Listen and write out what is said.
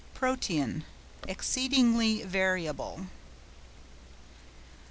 PROTEAN.—Exceedingly variable.